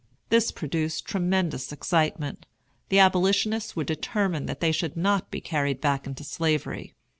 This produced tremendous excitement. The Abolitionists were determined that they should not be carried back into Slavery.